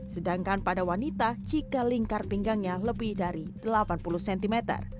sedangkan pada wanita jika lingkar pinggangnya lebih dari delapan puluh cm